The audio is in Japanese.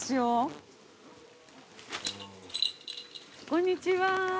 こんにちは。